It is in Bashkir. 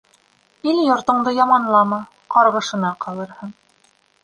Ил-йортондо яманлама, ҡарғышына ҡалырһың.